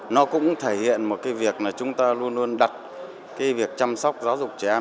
nó cũng thể hiện một cái việc là chúng ta luôn luôn đặt cái việc chăm sóc giáo dục trẻ em